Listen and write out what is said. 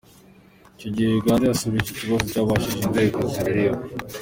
Icyo gihe Uganda yasubije ko ikibazo cyashyikirijwe inzego bireba.